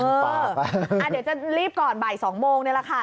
เดี๋ยวจะรีบก่อนบ่าย๒โมงนี่แหละค่ะ